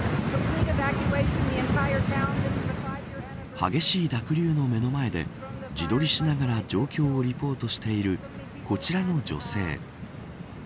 激しい濁流の目の前で自撮りしながら状況をリポートしているこちらの女性。